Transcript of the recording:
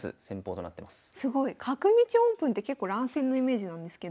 すごい。角道オープンって結構乱戦のイメージなんですけど。